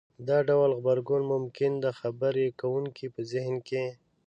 دا ډول غبرګون ممکن د خبرې کوونکي په زهن کې